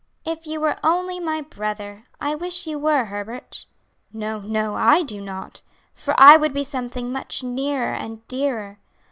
"If you were only my brother! I wish you were, Herbert." "No, no, I do not; for I would be something much nearer and dearer.